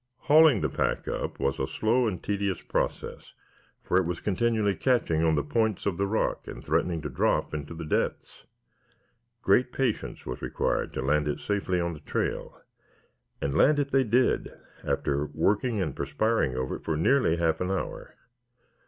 Hauling the pack up was a slow and tedious process, for it was continually catching on points of rock and threatening to drop into the depths. Great patience was required to land it safely on the trail, but land it they did after working and perspiring over it for nearly half an hour.